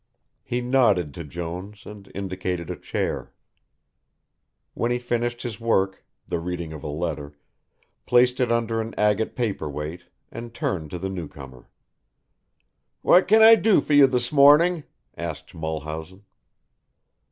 He nodded to Jones and indicated a chair. Then he finished his work, the reading of a letter, placed it under an agate paper weight, and turned to the newcomer. "What can I do for you this morning?" asked Mulhausen.